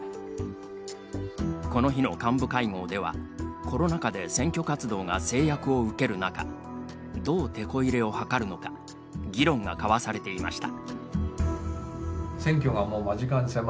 この日の幹部会合ではコロナ禍で選挙活動が制約を受ける中どう、てこ入れを図るのか議論が交わされていました。